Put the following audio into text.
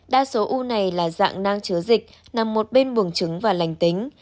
đa số u này là dạng nang chứa dịch nằm một bên buồng trứng và lành tính